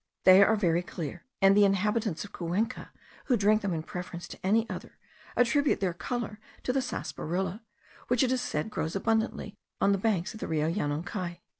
They are very clear, and the inhabitants of Cuenca, who drink them in preference to any other, attribute their colour to the sarsaparilla, which it is said grows abundantly on the banks of the Rio Yanuncai.